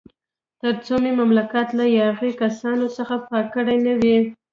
تر څو مې مملکت له یاغي کسانو څخه پاک کړی نه وي.